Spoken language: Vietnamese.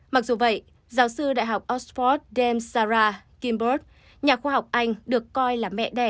mặc dù vậy giáo sư đại học oxford demsara gimbert nhà khoa học anh được coi là mẹ đẻ